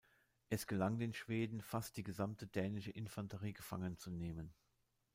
Es gelang den Schweden, fast die gesamte dänische Infanterie gefangen zu nehmen.